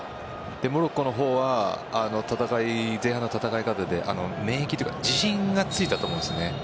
モロッコの方は前半の戦い方で免疫というか自信がついたと思うんです。